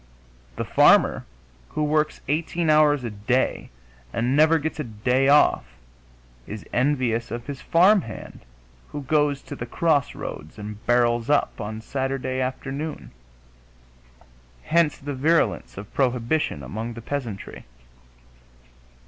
The farmer who works 18 hours a day and never gets a day off is envious of his farmhand who goes to the crossroads and barrels up on Saturday afternoon; hence the virulence of prohibition among the peasantry.